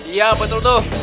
iya betul tuh